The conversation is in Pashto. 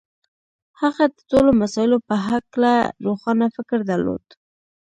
هغه د ټولو مسألو په هکله روښانه فکر درلود.